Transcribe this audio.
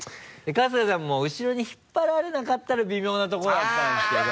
春日さんも後ろに引っ張られなかったら微妙なところだったんですけど。